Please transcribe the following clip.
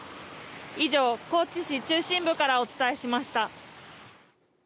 以上、高知市中心部からお伝えしました。